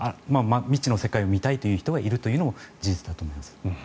未知の世界を見たいという人がいるというのも事実だと思います。